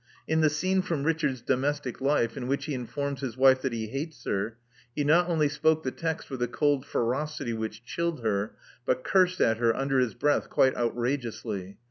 In the scene from Richard's domestic life in which he informs his wife that he hates her, he not only spoke the text with a cold ferocity which chilled her, but cursed at her under his breath quite outrageously.